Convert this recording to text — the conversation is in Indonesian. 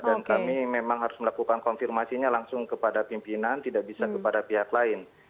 dan kami memang harus melakukan konfirmasinya langsung kepada pimpinan tidak bisa kepada pihak lain